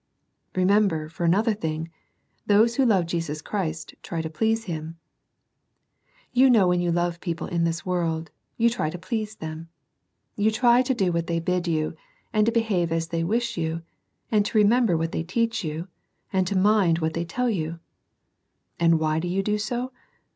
Remember, for another thing, those who love Jesus Christ try to please Him. You know when you love people in this world, you try to please them. You try to do what they bid you, and to behave as they wish you, and to remember what they teach you, and to mind what they tell you, — ^and why do you do so?